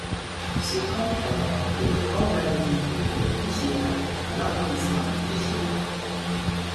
Ce canton était organisé autour de Figeac dans l'arrondissement de Figeac.